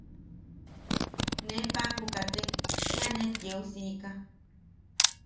Ne paʼaku katek kia net yeu siika.